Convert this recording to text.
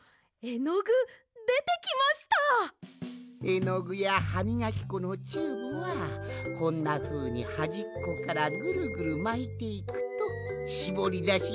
えのぐやはみがきこのチューブはこんなふうにはじっこからぐるぐるまいていくとしぼりだしやすいんじゃ。